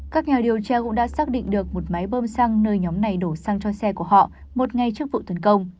các nhà điều tra cũng đã xác định được một máy bơm xăng nơi nhóm này đổ xăng cho xe của họ một ngày trước vụ tấn công